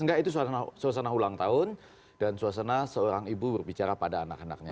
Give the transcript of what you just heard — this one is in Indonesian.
enggak itu suasana ulang tahun dan suasana seorang ibu berbicara pada anak anaknya